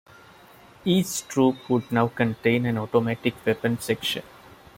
Each troop would now contain an automatic weapons section.